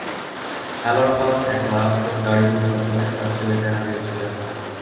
আ্যলারকন এক মারাত্মক গাড়ি দুর্ঘটনায় তার ছেলেকে হারিয়েছিলেন।